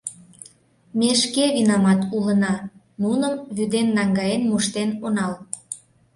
Ме шке винамат улына, нуным вӱден наҥгаен моштен онал.